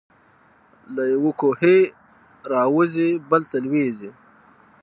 له یوه کوهي را وزي بل ته لوېږي.